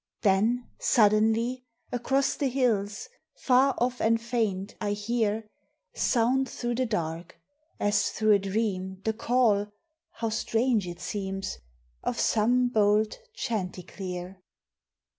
Then suddenly, Across the hills, far off and faint, I hear Sound through the dark, as through a dream, the call (How strange it seems!) of some bold chanticleer.